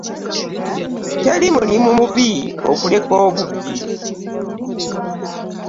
Teri mulimu mubi okuleka obubbi.